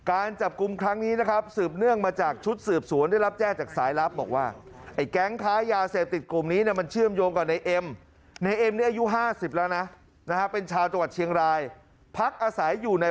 อายุ๕๐แล้วนะนะเป็นชาวจังหวัดเชียงรายพักอาศัยอยู่ใน